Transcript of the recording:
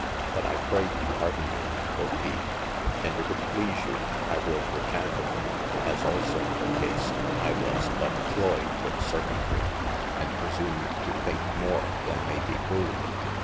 But I praye you pardon me (quod he) & if it please you I will recant it, as also (parcase) I was but cloyd with surcuydrye, and presumed to think more than may be proved.